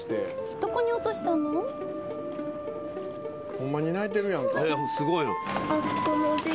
ホンマに泣いてるやんか。